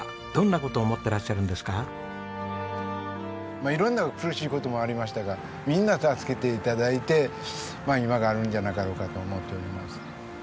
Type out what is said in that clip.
まあ色んな苦しい事もありましたがみんな助けて頂いて今があるんじゃなかろうかと思っております。